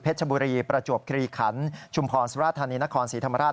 เพชรบุรีประจวบกีฬีขันธ์ชุมพรสวราธารณีนครศรีธรรมราช